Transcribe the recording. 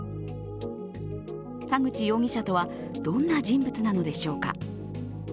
田口容疑者とは、どんな人物なのでしょうか。